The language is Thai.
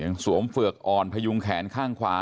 สวมเฝือกอ่อนพยุงแขนข้างขวา